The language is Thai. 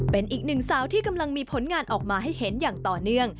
เป็นอีกหนึ่งสาวที่กำลังมีผลงานออกมาให้เห็นอย่างต่อเนื่อง